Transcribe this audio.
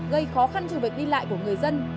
gây khó khăn trường vực đi lại của người dân